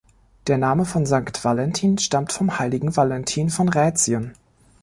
Der Name von Sankt Valentin stammt vom heiligen Valentin von Rätien.